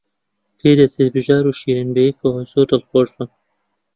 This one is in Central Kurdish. پێدەچێت بژار و شیرین بەیەکەوە زۆر دڵخۆش بن.